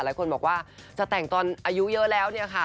หลายคนบอกว่าจะแต่งตอนอายุเยอะแล้วเนี่ยค่ะ